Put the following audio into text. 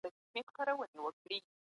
حکومت د فساد کوونکو مخه ونیوله.